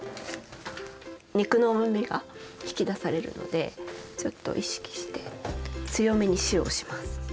肉のうまみが引き出されるのでちょっと意識して強めに塩をします。